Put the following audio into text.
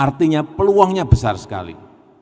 artinya peluangnya besar sekali